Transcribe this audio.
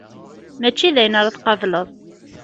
Mačči d ayen ara tqableḍ.